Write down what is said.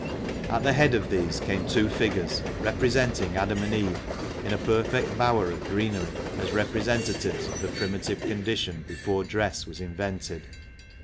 At the head of these came two figures, representing Adam and Eve, in a perfect bower of greenery, as representatives of the primitive condition before dress was invented.